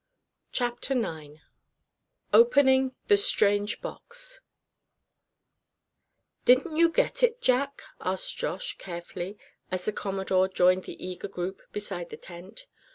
CHAPTER IX OPENING THE STRANGE BOX "Didn't you get it, Jack?" asked Josh, carefully, as the Commodore joined the eager group beside the tent.